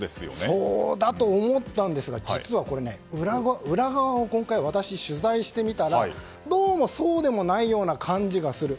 そうだと思ったんですが実はこれ、裏側を今回私、取材してみたらどうも、そうでもないような感じがする。